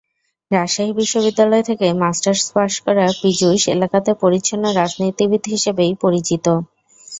রাজশাহী বিশ্ববিদ্যালয় থেকে masters pass করা পীযূষ এলাকাতে পরিচ্ছন্ন রাজনীতিবিদ হিসেবেই পরিচিত।